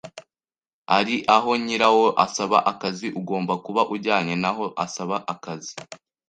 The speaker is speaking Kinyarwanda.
ari aho nyirawo asaba akazi ugomba kuba ujyanye n’aho asaba akazi